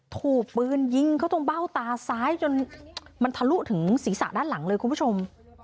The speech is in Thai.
ถูกปืนยิงเขาตรงเบ้าตาซ้ายจนมันทะลุถึงศีรษะด้านหลังเลยคุณผู้ชม